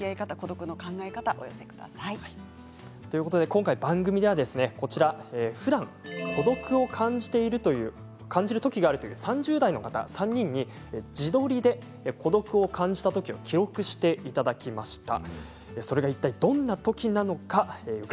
今回、番組ではふだん孤独を感じるときがあるという３０代の方３人に自撮りで孤独を感じたときを記録していただきました。